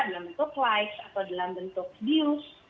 dalam bentuk like atau dalam bentuk bius